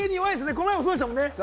この前もそうでしたもんね。